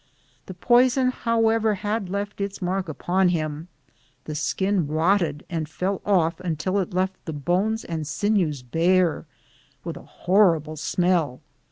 The poison, however, had left its mark upon him. The skin rotted and fell off until it left the bones and sinews bare, with a horri ble smell.